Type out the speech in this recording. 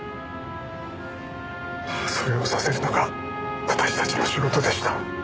それをさせるのが私たちの仕事でした。